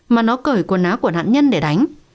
mà nó cởi quần áo của nạn nhân để đánh